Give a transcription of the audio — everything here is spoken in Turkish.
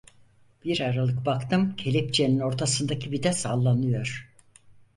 Bir aralık baktım, kelepçenin ortasındaki vida sallanıyor.